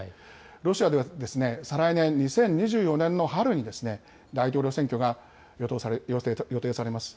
ロシアでは再来年・２０２４年の春に大統領選挙が予定されます。